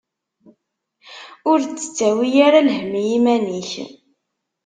Ur d-ttawi ara lhemm i iman-ik.